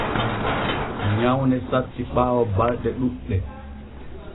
Nyawne satti ɓaawo balɗe ɗuuɗɗe.